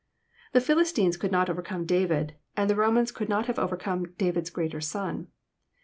The Philistines could not overcome David, and the Romans could not have overcome David's greater Son.